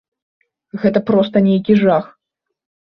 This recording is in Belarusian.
Гэта проста нейкі жах.